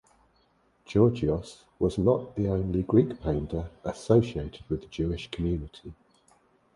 Georgios was not the only Greek painter associated with the Jewish community.